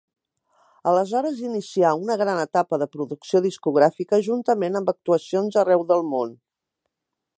Aleshores inicià una gran etapa de producció discogràfica juntament amb actuacions arreu del món.